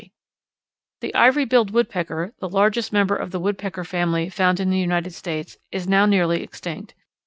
] The Ivory billed Woodpecker, the largest member of the Woodpecker family found in the United States, is now nearly extinct.